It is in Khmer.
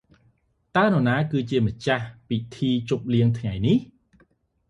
តើនរណាគឺម្ចាស់ពិធីជប់លៀងថ្ងៃនេះ?